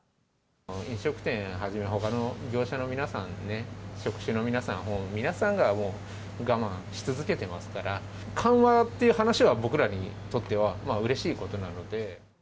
飲食店はじめ、ほかの業者の皆さんね、職種の皆さん、皆さんが我慢し続けてますから、緩和っていう話は、僕らにとってはうれしいことなので。